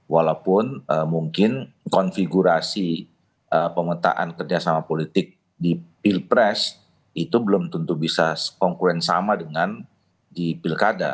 walaupun mungkin konfigurasi pemetaan kerjasama politik di pilpres itu belum tentu bisa konkulent sama dengan di pilkada